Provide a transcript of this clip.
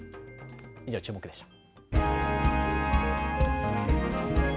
以上、チューモク！でした。